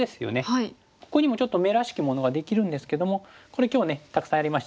ここにもちょっと眼らしきものができるんですけどもこれ今日ねたくさんやりましたね。